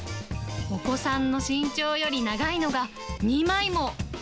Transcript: お子さんの身長より長いのが２枚も。